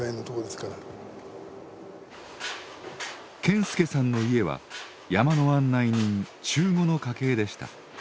賢輔さんの家は山の案内人中語の家系でした。